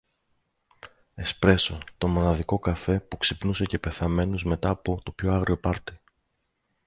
Εσπρέσο, το μοναδικό καφέ που ξυπνούσε και πεθαμένους μετά από το πιο άγριο πάρτι